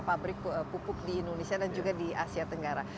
pabrik pupuk di indonesia dan juga di asia tenggara